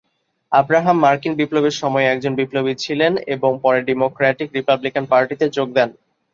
Abraham মার্কিন বিপ্লবের সময়ে একজন বিপ্লবী ছিলেন এবং পরে ডেমোক্র্যাটিক-রিপাবলিকান পার্টিতে যোগ দেন।